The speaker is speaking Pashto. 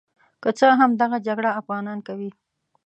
که څه هم دغه جګړه افغانان کوي.